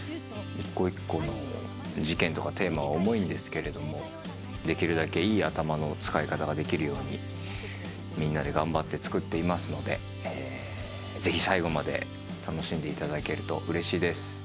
一個一個の事件とかテーマは重いんですけれどもできるだけいい頭の使い方ができるようにみんなで頑張って作っていますのでぜひ最後まで楽しんでいただけるとうれしいです。